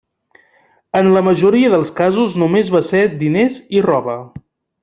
En la majoria dels casos només va ser diners i roba.